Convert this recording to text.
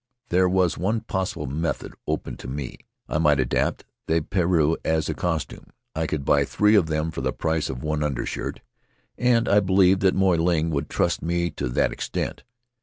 There was one possible method open to me; I might adopt the pareu as a costume. I could buy three of them for the price of one undershirt, and A Debtor of Moy Ling I believed that Moy Ling would trust me to that extent.